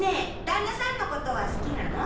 旦那さんのことは好きなの？